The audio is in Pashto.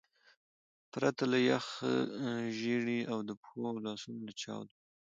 پرته له یخه ژیړي او د پښو او لاسو له چاودو.